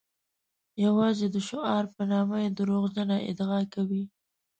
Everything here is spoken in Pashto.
یوازې د شعار په نامه یې دروغجنه ادعا کوي.